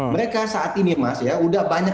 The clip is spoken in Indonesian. mereka saat ini mas ya udah banyak